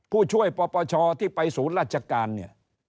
ผู้ช่วยปปชที่ไปศูนย์ราชการเนี่ย